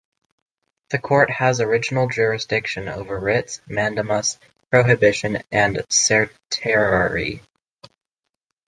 The Court has original jurisdiction over writs of mandamus, prohibition, and certiorari.